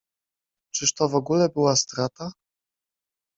Czyż to w ogóle była strata?